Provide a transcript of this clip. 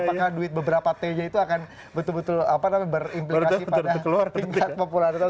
kalau duit beberapa t nya itu akan betul betul apa namanya berimplikasi pada tingkat populer